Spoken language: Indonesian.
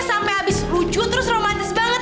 sampai abis lucu terus romantis banget